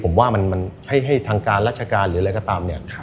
ผมว่ามันให้ทางการราชการหรืออะไรก็ตามเนี่ย